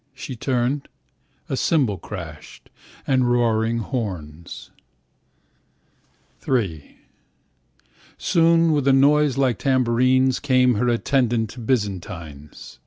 She turned — A cymbal crashed. And roaring horns . III Soon, with a noise like tambourines. Came her attendant Byzantines